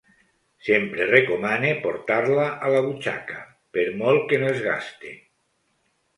Sempre recomane portar-la a la butxaca, per molt que no es gaste.